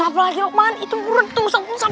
apa lagi lokman itu beruntung sabun sabun